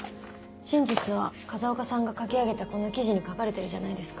真実は風岡さんが書き上げたこの記事に書かれてるじゃないですか。